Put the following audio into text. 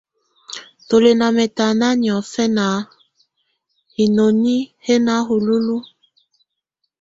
Tù lɛ̀ nà mɛ̀tana niɔfɛna hinoni hɛ̀ na hululuǝ́.